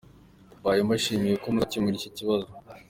Mbaye mbashimiye ko muzamkemura iki kibazo.”